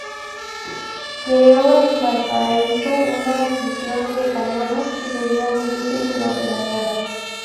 Creó en Valparaíso una fundición de cañones que sería muy útil durante la guerra.